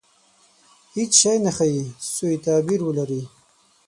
• هېڅ شی نه ښایي، سوء تعبیر ولري.